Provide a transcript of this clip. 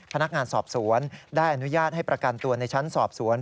พนักงานสอบสวนได้อนุญาตให้ประกันตัวในชั้นสอบสวน